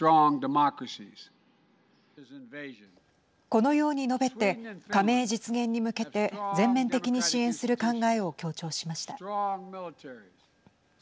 このように述べて加盟実現に向けて全面的に支援する考えを強調しました。